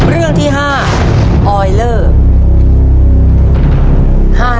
เรื่องที่๕ออยเลอร์